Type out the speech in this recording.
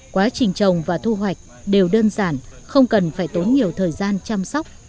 quá trình trồng và thu hoạch đều đơn giản không cần phải tốn nhiều thời gian chăm sóc